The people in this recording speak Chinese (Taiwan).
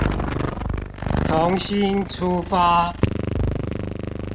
從心出發